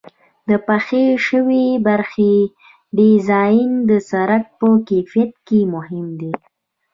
د پخې شوې برخې ډیزاین د سرک په کیفیت کې مهم دی